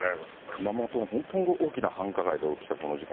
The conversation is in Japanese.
熊本の本当に大きな繁華街で起きたこの事件。